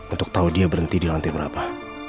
untuk tahu dia berhenti di lantai berapa